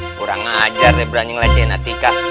nah kurang ajar deh beranjing leceh nak tika